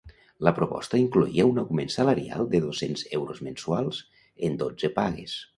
La proposta incloïa un augment salarial de dos-cents euros mensuals en dotze pagues.